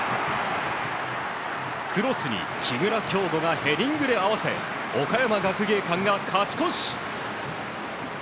クロスに木村匡吾がヘディングで合わせ岡山学芸館が勝ち越し。